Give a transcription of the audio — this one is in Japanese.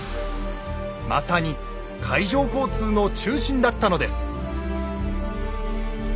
まさに海上交通の中心だったのです。